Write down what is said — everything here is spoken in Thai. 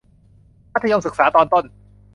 มัธยมศึกษาตอนต้น